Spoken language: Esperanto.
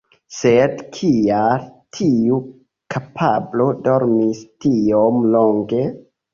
Sed kial tiu kapablo dormis tiom longe?